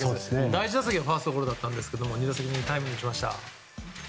第１打席はファーストゴロだったんですが２打席目にタイムリー打ちました。